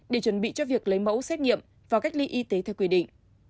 để chuẩn bị cho việc lấy mẫu xét nghiệm và cách ly y tế theo quy định